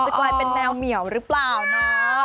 กลายเป็นแมวเหมียวหรือเปล่านะ